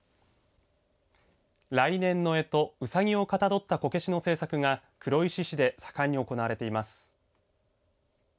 来年の干支うさぎをかたどったこけしの制作が黒石市で盛んに行われています。